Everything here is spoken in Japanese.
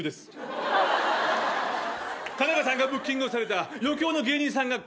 タナカさんがブッキングをされた余興の芸人さんが来られない。